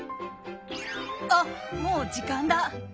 あっもう時間だ！